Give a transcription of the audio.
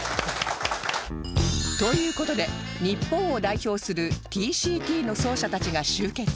という事で日本を代表する ＴＣＴ の奏者たちが集結